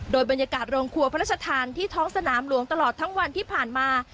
โดยบรรยากาศโรงครัวพระราชทานที่ท้องสนามหลวงตลอดทั้งวันที่ผ่านมา